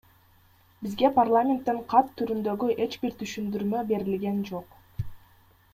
Бизге парламенттен кат түрүндөгү эч бир түшүндүрмө берилген жок.